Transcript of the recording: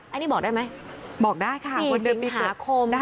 อันนี้บอกได้ไหมบอกได้ค่ะวันเดือนปีเกิดได้ค่ะ